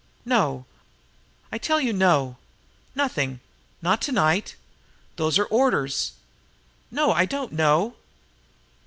No! I tell you, no! Nothing! Not to night! Those are the orders....No, I don't know!